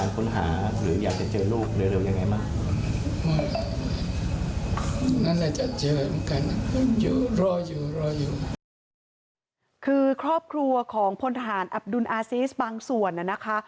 คือครอบครัวของพลทหารอับดุลอาซีสบางส่วนนะคะ